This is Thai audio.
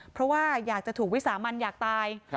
เพราะว่าอยากจะถูกวิสามันอยากตาย